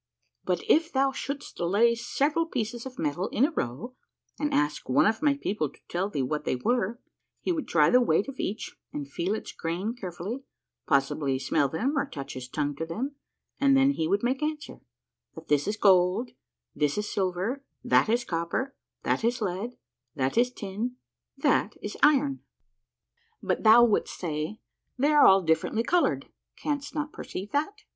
But if thou shouldst lay several pieces of metal in a row and ask one of my people to tell thee what they were, he would try the weight of each and feel its grain carefully, possibly smell them or touch his tongue to them, and then he would make answer :' That is gold ; that is silver ; that is copper ; that is lead ; that is tin ; that is iron.' " But thou wouldst say, ' They all are differently colored ; canst not perceive that